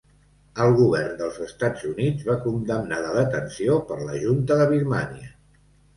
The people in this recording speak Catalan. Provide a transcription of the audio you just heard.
El Govern dels Estats Units va condemnar la detenció per la Junta de Birmània.